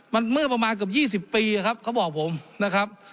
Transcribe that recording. มันเมื่อประมาณเกือบ๒๐ปีครับเขาบอกผมนะครับ